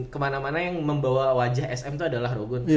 kemana mana yang membawa wajah sm tuh adalah rogun